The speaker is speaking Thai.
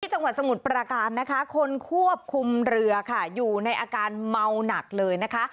จังหวัดสมุทรประการนะคะคนควบคุมเรือค่ะอยู่ในอาการเมาหนักเลยนะคะ